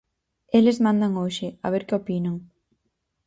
Eles mandan hoxe, a ver que opinan...